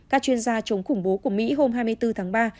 các chuyên gia chống khủng bố của mỹ hôm hai mươi bốn tháng ba